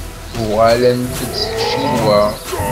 Uɣalent-d seg Ccinwa.